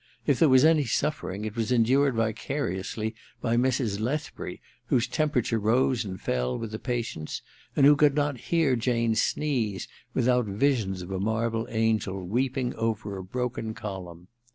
If there was any suffering it was endured vicariously by Mrs. Lethbury, whose temperature rose and fell with the patient's, and who could not hear Jane sneeze without visions of a marble angel weep ing over a broken column.